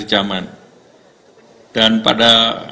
masih belum makan semuanya